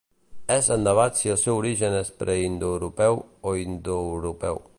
És en debat si el seu origen és preindoeuropeu o indoeuropeu.